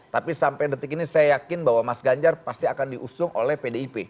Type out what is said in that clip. tapi sampai detik ini saya yakin bahwa mas ganjar pasti akan diusung oleh pdip